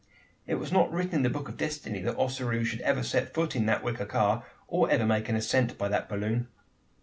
It was not written in the book of destiny that Ossaroo should ever set foot in that wicker car or ever make an ascent by that balloon.